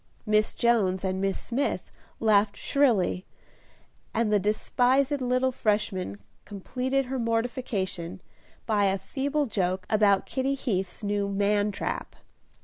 Miss Jones and Miss Smith laughed shrilly, and the despised little Freshman completed her mortification, by a feeble joke about Kitty Heath's new man trap.